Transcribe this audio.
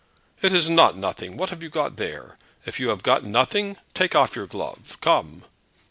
"It is not nothing. What have you got there? If you have got nothing, take off your glove. Come."